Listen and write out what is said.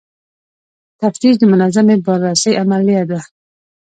تفتیش د منظمې بازرسۍ عملیه ده.